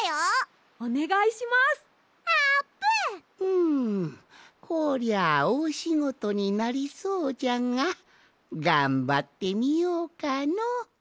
んこりゃおおしごとになりそうじゃががんばってみようかの！